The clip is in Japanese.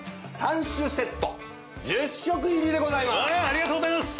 ありがとうございます！